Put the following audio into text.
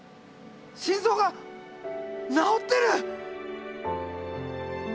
心臓がなおってる！